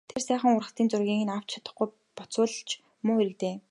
Тэр сайхан ургацын зургийг нь авч чадахгүй буцвал ч муу хэрэг дээ...